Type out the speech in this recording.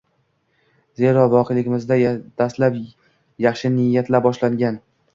zero voqeligimizda dastlab yaxshi niyat ila boshlangan